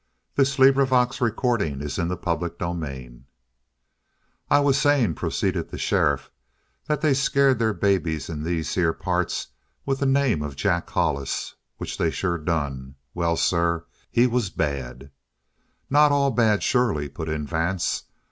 The end could not, now, be far away. CHAPTER 12 "I was saying," proceeded the sheriff, "that they scared their babies in these here parts with the name of Jack Hollis. Which they sure done. Well, sir, he was bad." "Not all bad, surely," put in Vance.